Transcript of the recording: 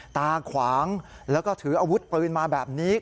ตาขวางแล้วก็ถืออาวุธปืนมาแบบนี้